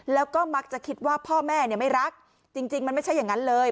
แล้วก็มักจะคิดว่าพ่อแม่ไม่รักจริงมันไม่ใช่อย่างนั้นเลย